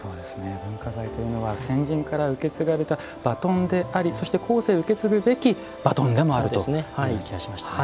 文化財というのは先人から受け継がれたバトンでありそして後世へ受け継ぐべきバトンでもあるという気がしましたね。